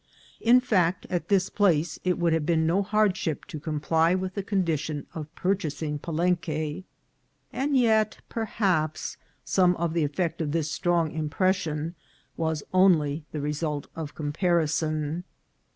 In fact, at this place it would have been no hardship to comply with the condition of purchasing Palenque ; and yet perhaps some of the effect of this strong impression was only the result of comparison.